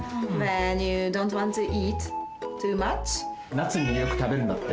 なつによくたべるんだって。